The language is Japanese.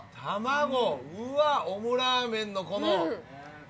卵うわオムラーメンのこの。